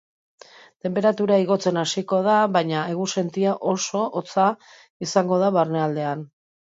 Tenperatura igotzen hasiko da, baina egunsentia oso hotza izango da barnealdean.